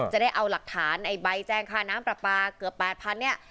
จะได้เอาหลักฐานไอ้ใบแจ้งค่าน้ำปลาปลาเกือบ๘๐๐เนี่ย